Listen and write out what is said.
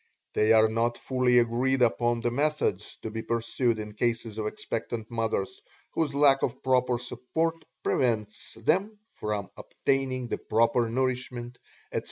They are not fully agreed upon the methods to be pursued in cases of expectant mothers whose lack of proper support prevents them from obtaining the proper nourishment, etc.